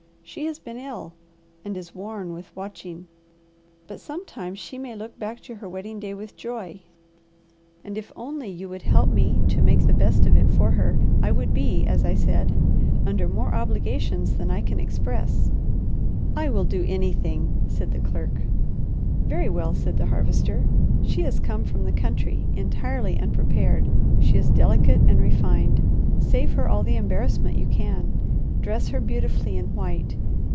She has been ill, and is worn with watching; but some time she may look back to her wedding day with joy, and if only you would help me to make the best of it for her, I would be, as I said, under more obligations than I can express." "I will do anything," said the clerk. "Very well," said the Harvester. "She has come from the country entirely unprepared. She is delicate and refined. Save her all the embarrassment you can. Dress her beautifully in white.